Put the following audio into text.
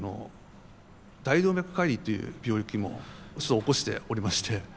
大動脈解離という病気も起こしておりまして。